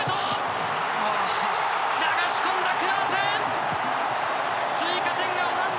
流し込んだ、クラーセン！